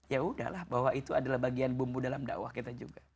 ya udahlah bahwa itu adalah bagian bumbu dalam dakwah kita juga